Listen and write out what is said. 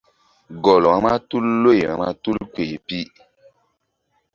Gɔl vba tul loy vba tul kpeh pi.